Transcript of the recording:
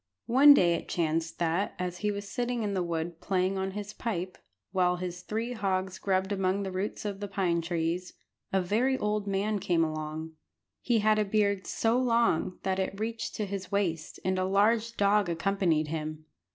One day it chanced that, as he was sitting in the wood playing on his pipe, while his three hogs grubbed among the roots of the pine trees, a very old man came along. He had a beard so long that it reached to his waist, and a large dog accompanied him.